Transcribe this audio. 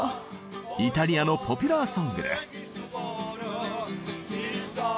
イタリアのポピュラーソングです。